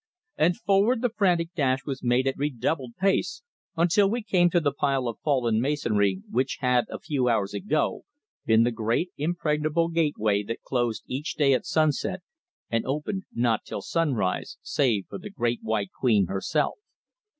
And forward the frantic dash was made at redoubled pace until we came to the pile of fallen masonry, which had, a few hours ago, been the great impregnable gateway that closed each day at sunset, and opened not till sunrise, save for the Great White Queen herself.